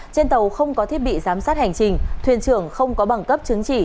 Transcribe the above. trên tàu không có thiết bị giám sát hành trình thuyền trưởng không có bằng cấp chứng chỉ